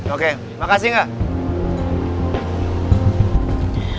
oke makasih enggak